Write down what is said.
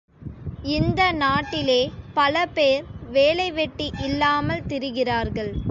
இந்த நாட்டிலே பல பேர் வேலைவெட்டி இல்லாமல் திரிகிறார்கள்.